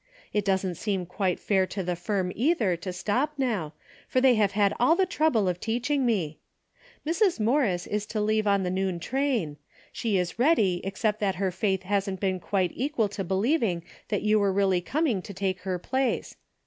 It doesn't seem quite fair to the firm either to stop now, after they have had all the trouble of teaching me. Mrs. Morris is to leave on the noon train. She is ready, except that her faith hasn't been quite equal to believing that you were really coming to take her place.